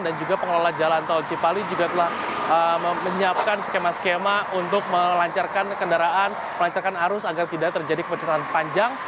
dan juga pengelola jalan tol cipali juga telah menyiapkan skema skema untuk melancarkan kendaraan melancarkan arus agar tidak terjadi kemacetan panjang